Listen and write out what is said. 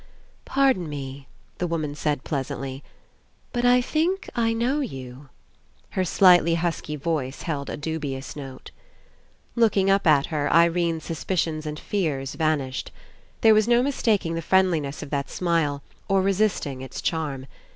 "Pardon me," the woman said pleas antly, *'but I think I know you." Her slightly husky voice held a dubious note. Looking up at her, Irene's suspicions and fears vanished. There was no mistaking the friendliness of that smile or resisting Its charm.